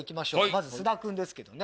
まず菅田君ですけどね。